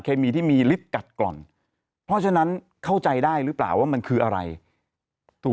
กัดก่อนเพราะฉะนั้นเข้าใจได้หรือเปล่าว่ามันคืออะไรถูก